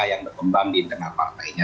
yang berkembang di internal partainya